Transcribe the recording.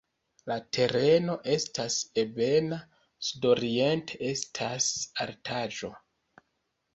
La tereno estas ebena, sudoriente estas altaĵo.